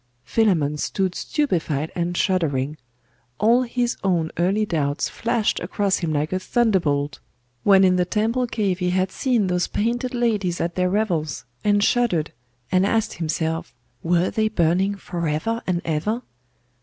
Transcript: Philammon stood stupefied and shuddering. All his own early doubts flashed across him like a thunderbolt, when in the temple cave he had seen those painted ladies at their revels, and shuddered, and asked himself, were they burning for ever and ever?